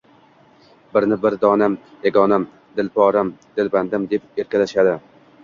Birini «bir donam, yagonam, dilporam, dilbandim» deb erkalashadi.